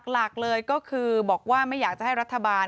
หลักเลยก็คือบอกว่าไม่อยากจะให้รัฐบาล